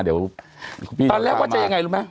ตอนแรกว่าจะอย่างไรลุกไหม